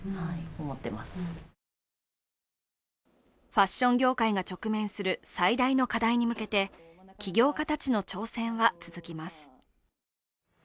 ファッション業界が直面する最大の課題に向けて起業家たちの挑戦は続きます。